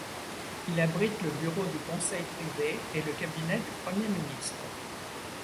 Il abrite le bureau du Conseil privé et le cabinet du Premier ministre.